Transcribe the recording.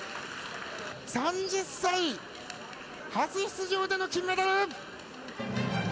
３０歳、初出場での金メダル！